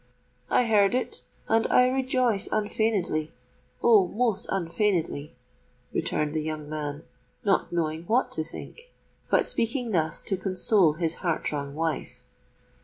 "I heard it—and I rejoice unfeignedly—oh! most unfeignedly," returned the young man, not knowing what to think, but speaking thus to console his heart wrung wife.